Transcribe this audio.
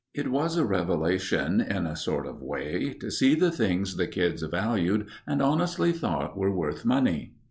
It was a revelation, in a sort of a way, to see the things the kids valued and honestly thought were worth money.